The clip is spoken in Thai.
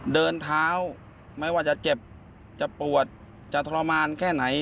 เดินเท้าไม่ว่าจะเจ็บจะปวดจะทรมานแค่ไหน